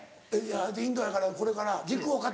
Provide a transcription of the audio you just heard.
インドやからこれから軸を固めて。